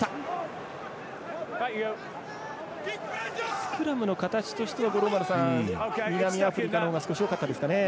スクラムの形としては南アフリカの方が少し多かったですかね。